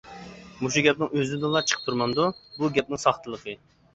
مۇشۇ گەپنىڭ ئۆزىدىنلا چىقىپ تۇرمامدۇ؟ بۇ گەپنىڭ ساختىلىقى.